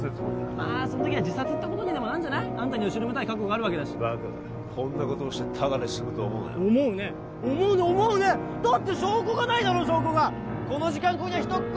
まあその時は自殺ってことにでもなんじゃないあんたには後ろめたい過去があるわけだしバカがこんなことをしてただですむと思うなよ思うね思うね思うねだって証拠がないだろ証拠がこの時間ここには人っ子